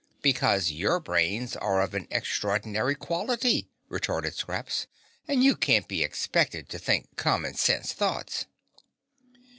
"Because your brains are of an extraordinary quality," retorted Scraps, "and you can't be expected to think common sense thoughts."